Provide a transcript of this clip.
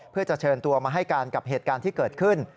เพื่อจะเชิญตัวมาให้การกับเหตุการณ์ที่เกิดขึ้น